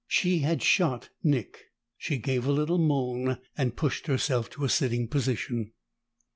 She had shot Nick! She gave a little moan and pushed herself to a sitting position.